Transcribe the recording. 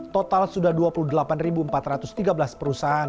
total sudah dua puluh delapan ribu